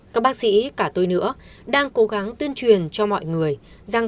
các bác sĩ cả tôi nữa đang cố gắng tuyên truyền cho mọi người rằng